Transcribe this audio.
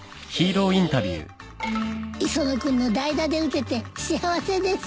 磯野君の代打で打てて幸せです。